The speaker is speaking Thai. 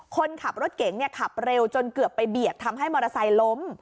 คนขับรถเก๋งขับเร็วจนเกือบไปเบียดทำให้มอเตอร์ไซค์ล้ม